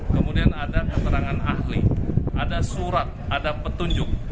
kemudian ada keterangan ahli ada surat ada petunjuk